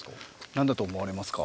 何だと思われますか？